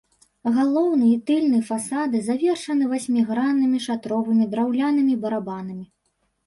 Галоўны і тыльны фасады завершаны васьміграннымі шатровымі драўлянымі барабанамі.